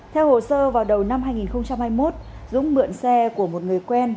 theo hồ sơ vào đầu năm hai nghìn hai mươi một dũng mượn xe của một người quen